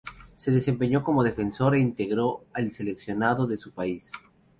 Se desempeñó como defensor e integró el seleccionado de su país.